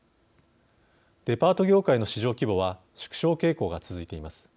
デパート業界の市場規模は縮小傾向が続いています。